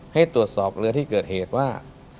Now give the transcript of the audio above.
ให้ตรวจสอบเรือที่เกิดเหตุว่า